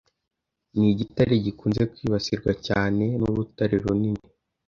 nigitare gikunze kwibasirwa cyane nrutare runini